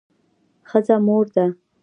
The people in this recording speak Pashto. ښځه مور ده